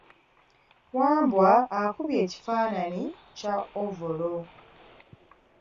Wambwa akubye ekifananyi kya ovolo.